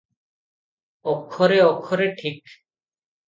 ଅକ୍ଷରେ ଅକ୍ଷରେ ଠିକ୍ ।